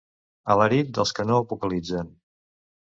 Alarit dels que no vocalitzen.